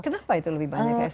kenapa itu lebih banyak ya